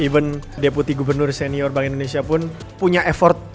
even deputi gubernur senior bank indonesia pun punya effort